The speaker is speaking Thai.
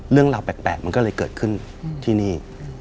เรื่องราวแปลกมันก็เลยเกิดขึ้นที่นี่